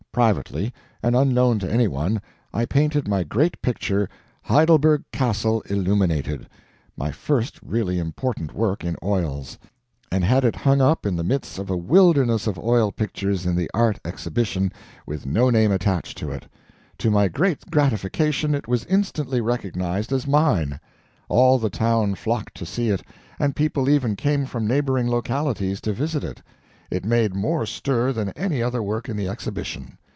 Privately, and unknown to any one, I painted my great picture, "Heidelberg Castle Illuminated" my first really important work in oils and had it hung up in the midst of a wilderness of oil pictures in the Art Exhibition, with no name attached to it. To my great gratification it was instantly recognized as mine. All the town flocked to see it, and people even came from neighboring localities to visit it. It made more stir than any other work in the Exhibition.